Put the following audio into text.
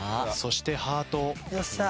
そしてハート。